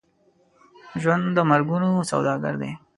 ژوند د مرګونو سوداګر دی.